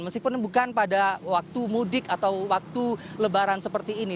meskipun bukan pada waktu mudik atau waktu lebaran seperti ini